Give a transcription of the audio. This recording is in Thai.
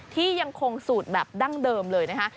ที่ยังคงสูตรแบบดั้งเดิมเลยนะคะ